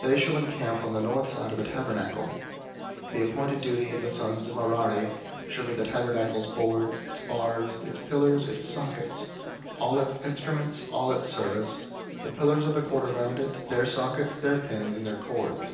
They shall encamp on the north side of the tabernacle. 003:036 The appointed charge of the sons of Merari shall be the tabernacle's boards, its bars, its pillars, its sockets, all its instruments, all its service, 003:037 the pillars of the court around it, their sockets, their pins, and their cords.